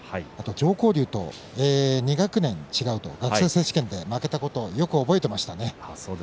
常幸龍と２学年違うと学生選手権で負けたことをよく覚えていましたね。